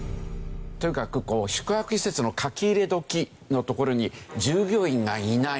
宿泊施設の書き入れ時のところに従業員がいない。